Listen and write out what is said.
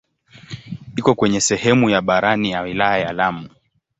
Iko kwenye sehemu ya barani ya wilaya ya Lamu.